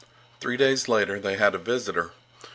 Three days later they had a visitor.